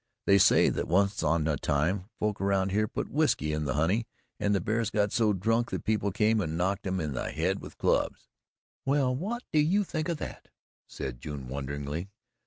They say that once on a time folks around here put whiskey in the honey and the bears got so drunk that people came and knocked 'em in the head with clubs." "Well, what do you think o' that!" said June wonderingly.